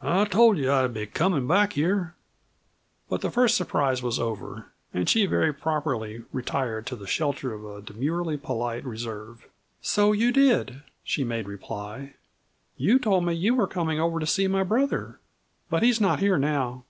"I told you I'd be comin' back here." But the first surprise was over, and she very properly retired to the shelter of a demurely polite reserve. "So you did!" she made reply. "You told me you were comin' over to see my brother. But he is not here now."